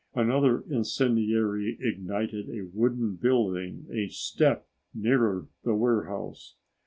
Another incendiary ignited a wooden building a step nearer the warehouse.